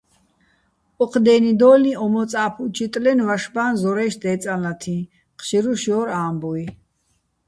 ოჴ დე́ნიდო́ლიჼ ო მოწაფე̆-უჩიტლენ ვაშბაჼ ზორაჲში̆ დე́წალათიჼ, ჴშირუშ ჲორ ა́მბუჲ.